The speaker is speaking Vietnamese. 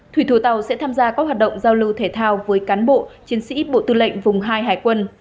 thủy thủ tàu sẽ tham gia các hoạt động giao lưu thể thao với cán bộ chiến sĩ bộ tư lệnh vùng hai hải quân